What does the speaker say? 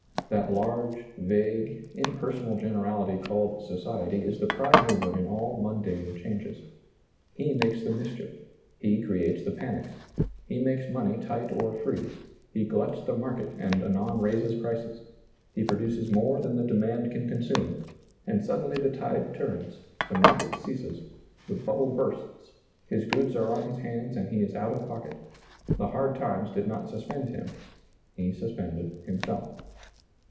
That large, vague, impersonal generality called society is the prime mover in all mundane changes. He makes the mischief, he creates the panics, he makes money tight or free, he gluts the market and anon raises prices, he produces more than the demand can consume, and suddenly the tide turns, the market ceases, the bubble bursts, his goods are on his hands and he is out of pocket; the hard times did not suspend him, — he suspended himself.